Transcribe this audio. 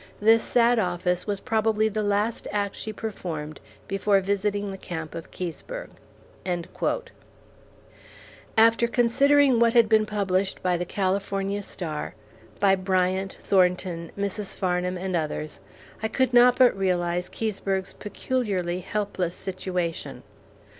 This sad office was probably the last act she performed before visiting the camp of Keseberg. After considering what had been published by The California Star, by Bryant, Thornton, Mrs. Farnham, and others, I could not but realize Keseberg's peculiarly helpless situation.